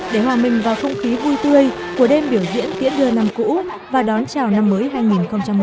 để hòa mình vào không khí vui tươi của đêm biểu diễn tiễn đưa năm cũ và đón chào năm mới hai nghìn một mươi chín